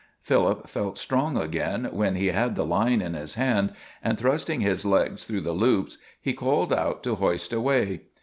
Philip felt strong again when he had the line in his hand, and thrusting his legs through the loops, he called out to hoist away.